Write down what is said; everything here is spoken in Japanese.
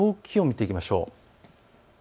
気温を見ていきましょう。